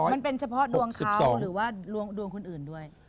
มันเป็นเฉพาะดวงเขาหรือว่าดวงคนอื่นด้วย